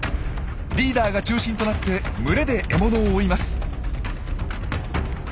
リーダーが中心となって群れで獲物を追います。